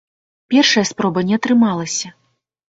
Першая спроба не атрымалася.